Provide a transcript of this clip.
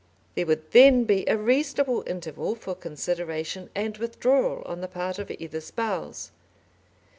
There would then be a reasonable interval for consideration and withdrawal on the part of either spouse.